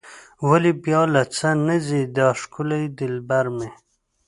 ولې بیا له څه نه ځي دا ښکلی دلبر مې.